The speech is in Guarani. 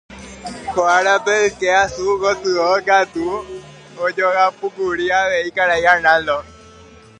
Hóga rape yke asu gotyo katu ojogapókuri avei karai Arnaldo.